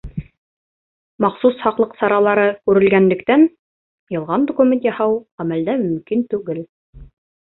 Махсус һаҡлыҡ саралары күрелгәнлектән, ялған документ яһау ғәмәлдә мөмкин түгел.